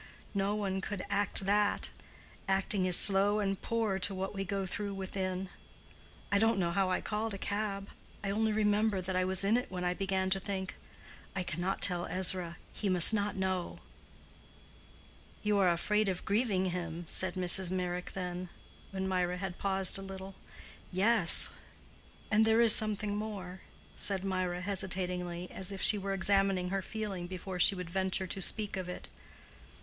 No one could act that. Acting is slow and poor to what we go through within. I don't know how I called a cab. I only remember that I was in it when I began to think, 'I cannot tell Ezra; he must not know.'" "You are afraid of grieving him?" Mrs. Meyrick asked, when Mirah had paused a little. "Yes—and there is something more," said Mirah, hesitatingly, as if she were examining her feeling before she would venture to speak of it.